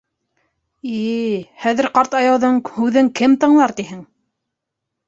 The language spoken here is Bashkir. И-и, хәҙер ҡарт айыуҙың һүҙен кем тыңлар, тиһең.